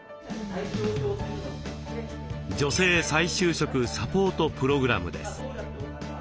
「女性再就職サポートプログラム」です。